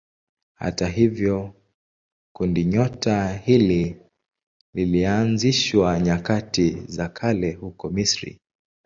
Hata hivyo kundinyota hili lilianzishwa nyakati za kale huko Misri.